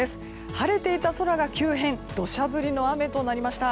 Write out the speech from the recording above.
晴れていた空が急変して土砂降りの雨となりました。